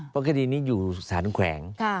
เพราะคดีนี้อยู่สารแขวง